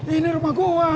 ini rumah gue